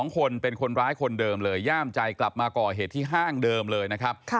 ๒คนเป็นคนร้ายคนเดิมเลยย่ามใจกลับมาก่อเหตุที่ห้างเดิมเลยนะครับ